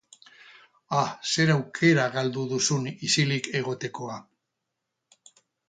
a zer aukera galdu duzun ixilik egotekoa